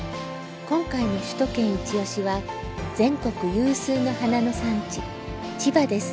今回の「首都圏いちオシ！」は全国有数の花の産地千葉です。